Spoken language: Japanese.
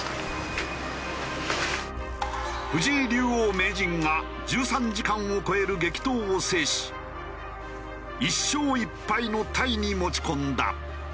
藤井竜王・名人が１３時間を超える激闘を制し１勝１敗のタイに持ち込んだ。